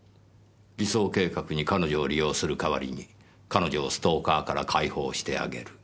偽装計画に彼女を利用するかわりに彼女をストーカーから解放してあげる。